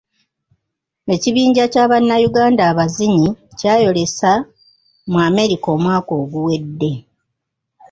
Ekibinja kya bannayuganda abazinyi kyayolesa mu America omwaka oguwedde.